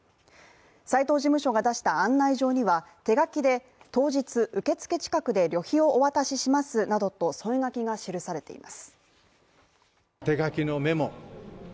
斉藤事務所が出した案内状には手書きで当日受付近くで旅費をお渡ししますなどと添え書きが記されています。